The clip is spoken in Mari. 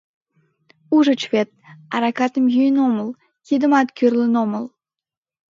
Ужыч вет, аракатым йӱын омыл, кидымат кӱрлын омыл.